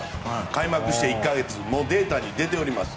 開幕して１か月データに出ています。